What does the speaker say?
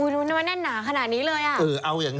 นึกว่าแน่นหนาขนาดนี้เลยอ่ะ